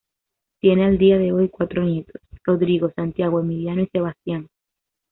Tiene al día de hoy cuatro nietos Rodrigo, Santiago, Emiliano y Sebastián.